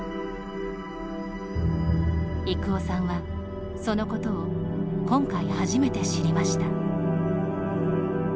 郁夫さんは、そのことを今回初めて知りました。